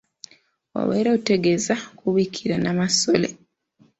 Obeera otegeeza kubikira Nnamasole.